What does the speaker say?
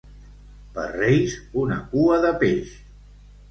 Per Reis, una cua de peix.